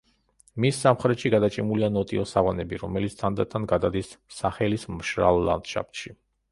მის სამხრეთში გადაჭიმულია ნოტიო სავანები, რომელიც თანდათან გადადის საჰელის მშრალ ლანდშაფტში.